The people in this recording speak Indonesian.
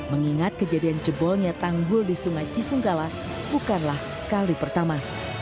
mengingat kejadian jebolnya tanggul di sungai cisunggala bukanlah kali pertama